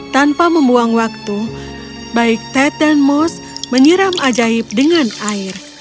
tanpa membuang waktu baik ted dan most menyiram ajaib dengan air